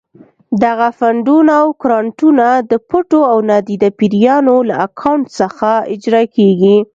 دغه فنډونه او ګرانټونه د پټو او نادیده پیریانو له اکاونټ څخه اجرا کېږي.